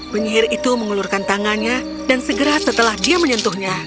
penyihir itu mengulurkan tangannya dan segera setelah dia menyentuhnya